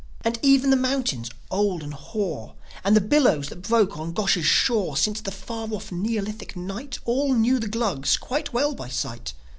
And even the mountains old and hoar, And the billows that broke on Gosh's shore Since the far off neolithic night, All knew the Glugs quite well by sight.